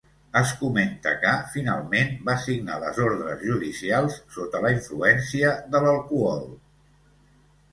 Es comenta que, finalment, va signar les ordres judicials sota la influència de l'alcohol.